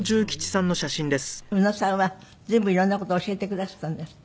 宇野さんは随分いろんな事を教えてくださったんですって？